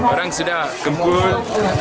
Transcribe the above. orang sudah gemput